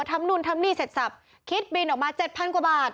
ทำนู่นทำนี่เสร็จสับคิดบินออกมา๗๐๐กว่าบาท